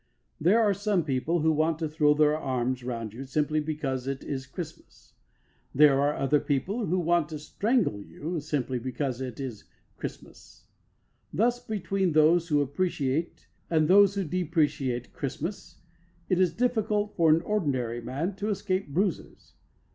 There are some people who want to throw their arms round you simply because it is Christmas; there are other people who want to strangle you simply because it is Christmas. Thus, between those who appreciate and those who depreciate Christmas, it is difficult for an ordinary man to escape bruises.